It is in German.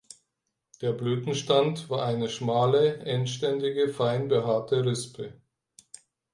Der Blütenstand war eine schmale endständige fein behaarte Rispe.